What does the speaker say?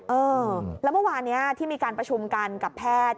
เออแล้วเมื่อวานนี้ที่มีการประชุมกันกับแพทย์